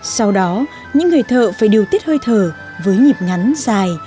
sau đó những người thợ phải điều tiết hơi thở với nhịp ngắn dài